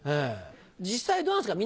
実際どうなんですか？